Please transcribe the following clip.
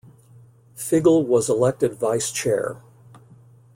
Figl was elected vice chair.